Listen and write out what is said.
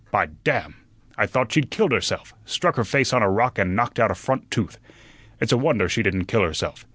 By damn! I thought she'd killed herself; struck her face on a rock and knocked out a front tooth. It's a wonder she didn't kill herself.